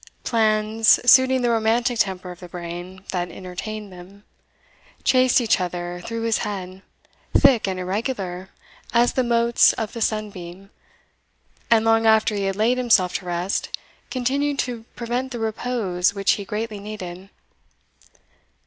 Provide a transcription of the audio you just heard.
Plans, suiting the romantic temper of the brain that entertained them, chased each other through his head, thick and irregular as the motes of the sun beam, and, long after he had laid himself to rest, continued to prevent the repose which he greatly needed.